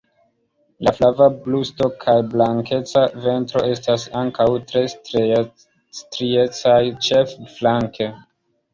La flava brusto kaj blankeca ventro estas ankaŭ tre striecaj ĉefe flanke.